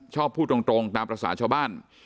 พูดตรงตามภาษาชาวบ้าน